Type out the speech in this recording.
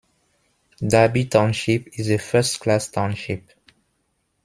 Darby Township is a First Class Township.